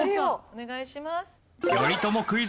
お願いします。